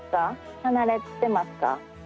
離れてますか？